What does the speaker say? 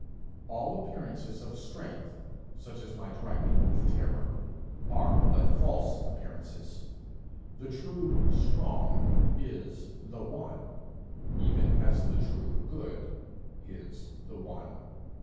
All appearances of strength, such as might rightly move terror, are but false appearances; the true Strong is the One, even as the true Good is the One.